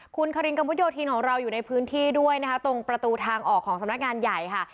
คุณคารินกระมุดโยธินของเราอยู่ในพื้นที่ด้วยนะคะตรงประตูทางออกของสำนักงานใหญ่ค่ะ